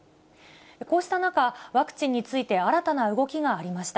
こうした中、ワクチンについて、新たな動きがありました。